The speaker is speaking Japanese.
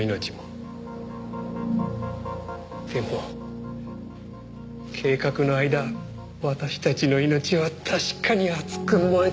でも計画の間私たちの命は確かに熱く燃えていた！